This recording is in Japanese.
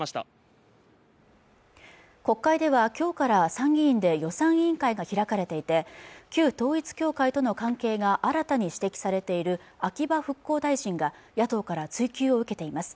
国会ではきょうから参議院で予算委員会が開かれていて旧統一教会との関係が新たに指摘されている秋葉復興大臣が野党から追及を受けています